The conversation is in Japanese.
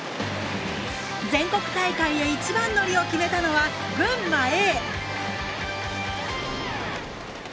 全国大会へ一番乗りを決めたのは群馬Ａ！